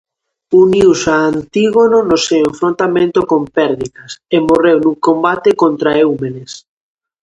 Uniuse a Antígono no seu enfrontamento con Pérdicas e morreu nun combate contra Eumenes.